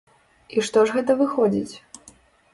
І што ж гэта выходзіць?